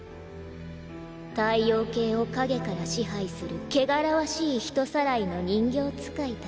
太陽系を陰から支配する汚らわしい人さらいの人形使いたち。